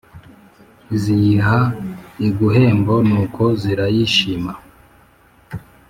Ziyiha iguhembo nuko zirayishima